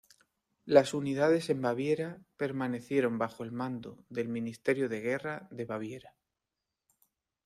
Las unidades en Baviera permanecieron bajo el mando del Ministerio de Guerra de Baviera.